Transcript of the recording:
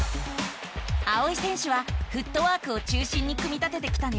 あおい選手はフットワークを中心に組み立ててきたね。